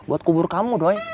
buat kubur kamu doi